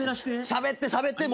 しゃべってしゃべって。